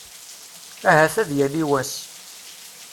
Ahat ad yali wass.